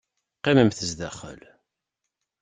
Qqimemt zdaxel.